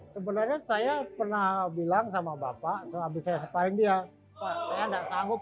sebenarnya saya pernah bilang sama bapak